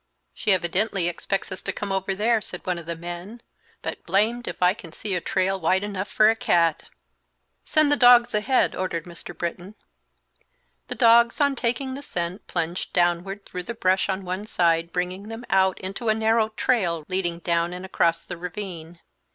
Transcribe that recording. "She evidently expects us to come over there," said one of the men, "but blamed if I can see a trail wide enough for a cat!" "Send the dogs ahead!" ordered Mr. Britton. The dogs on taking the scent plunged downward through the brush on one side, bringing them out into a narrow trail leading down and across the ravine.